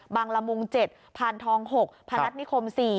ละมุง๗พานทอง๖พนัฐนิคม๔